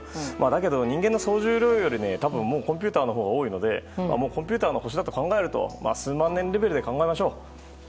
だけど人間の総重量よりコンピューターのほうが多いのでコンピューターの星だと考えると数万年レベルで考えましょう。